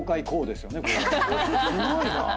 すごいなぁ。